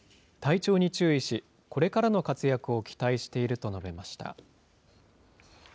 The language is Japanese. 体調に注意し、これからの活躍を期待していると述べました。